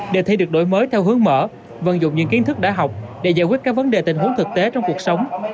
đề thi được đổi mới theo hướng mở vận dụng những kiến thức đã học để giải quyết các vấn đề tình huống thực tế trong cuộc sống